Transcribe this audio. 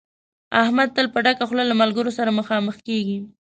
احمد تل په ډکه خوله له ملګرو سره مخامخ کېږي.